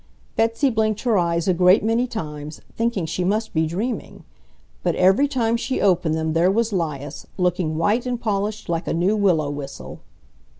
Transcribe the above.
Betsy blinked her eyes a great many times, thinking she must be dreaming, but every time she opened them there was 'Lias, looking white and polished like a new willow whistle.